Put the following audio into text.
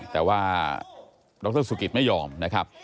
แต่ว่าดรสุกิตไม่ยอมนะครับ